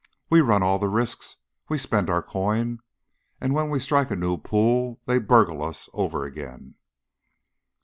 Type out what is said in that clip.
We run all the risks; we spend our coin, and when we strike a new pool they burgle us over again."